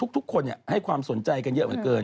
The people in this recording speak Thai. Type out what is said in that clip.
ทุกคนให้ความสนใจกันเยอะเหลือเกิน